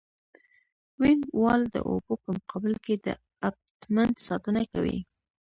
وینګ وال د اوبو په مقابل کې د ابټمنټ ساتنه کوي